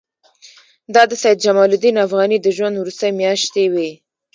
دا د سید جمال الدین افغاني د ژوند وروستۍ میاشتې وې.